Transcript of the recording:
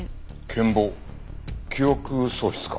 健忘記憶喪失か。